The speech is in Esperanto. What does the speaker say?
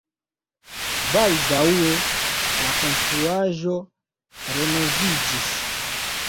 Baldaŭe la konstruaĵo renoviĝis.